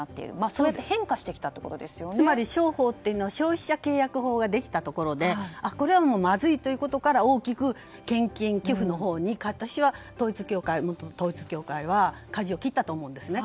そうやってつまり商法というのは消費者契約法ができたところでこれはまずいということから大きく献金、寄付のほうに元統一教会はかじを切ったと思うんですね。